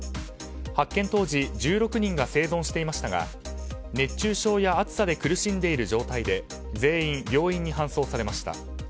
発見当時１６人が生存していましたが熱中症や暑さで苦しんでいる状態で全員、病院に搬送されました。